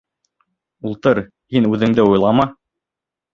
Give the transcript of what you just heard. Ултыр, һин үҙеңде уйлама!